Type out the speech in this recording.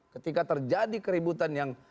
ketika terjadi keributan yang